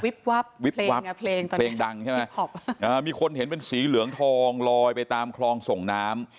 เพลงตอนนี้เพลงดังใช่ไหมมีคนเห็นเป็นสีเหลืองทองลอยไปตามคลองส่งน้ำ